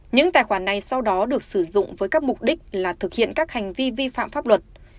những tài khoản này sau đó được sử dụng với các mục đích là thực hiện các hành vi vi phạm pháp luật